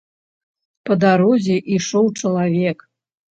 Па дарозе ішоў чалавек.